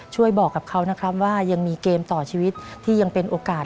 ช่วยบอกกับเขานะครับว่ายังมีเกมต่อชีวิตที่ยังเป็นโอกาส